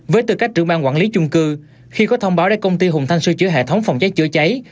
với tư cách trưởng ban quản lý chung cư khi có thông báo đến công ty hùng thanh sửa chữa hệ thống phòng cháy chữa cháy